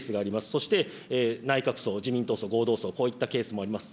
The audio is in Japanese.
そして、内閣葬、自民党葬、合同葬、こういったケースもあります。